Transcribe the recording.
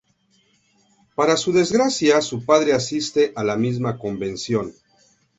Para su desgracia, su padre asiste a la misma convención.